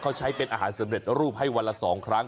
เขาใช้เป็นอาหารสำเร็จรูปให้วันละ๒ครั้ง